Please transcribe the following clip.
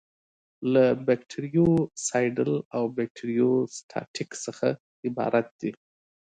له بکټریوسایډل او بکټریوسټاټیک څخه عبارت دي.